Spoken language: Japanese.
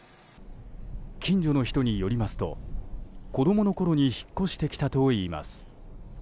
近所の人によりますと子供のころに引っ越してきたといいます。